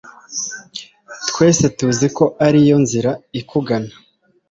twese tuzi ko ari yo nzira ikugana